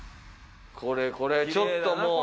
これこれちょっともう。